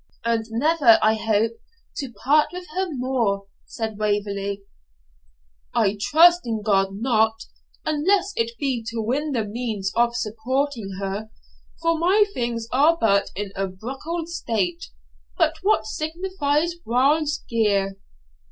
'And never, I hope, to part with her more,' said Waverley. 'I trust in God not, unless it be to win the means of supporting her; for my things are but in a bruckle state; but what signifies warld's gear?'